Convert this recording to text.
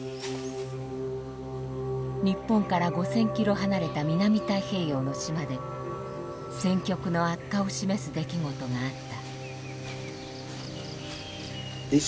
日本から５，０００キロ離れた南太平洋の島で戦局の悪化を示す出来事があった。